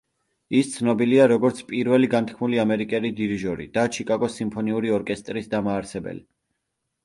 ის ცნობილია, როგორც პირველი განთქმული ამერიკელი დირიჟორი და ჩიკაგოს სიმფონიური ორკესტრის დამაარსებელი.